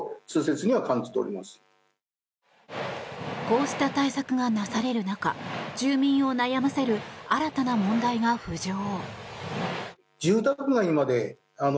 こうした対策がなされる中住民を悩ませる新たな問題が浮上。